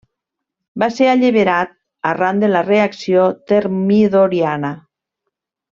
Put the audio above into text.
Va ser alliberat arran de la reacció termidoriana.